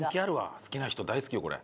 好きな人大好きよこれ。